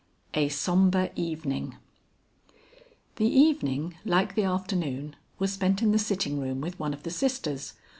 VI A SOMBRE EVENING The evening, like the afternoon, was spent in the sitting room with one of the sisters.